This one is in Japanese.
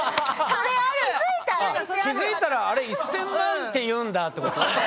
気づいたらあれ１，０００万って言うんだってこと？